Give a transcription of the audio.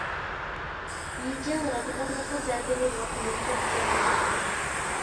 بېيجىڭ رادىكاللىققا زەربە بېرىۋاتىمىز دەپ جار سالىدۇ.